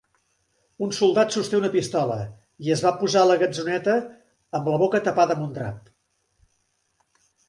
Un soldat sosté una pistola i es va posar a la gatzoneta amb la boca tapada amb un drap.